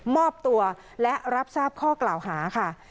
มอบตัวและรับทราบข้อกล่าวหาค่ะ